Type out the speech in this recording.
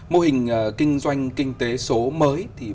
mô hình kinh doanh kinh tế số mới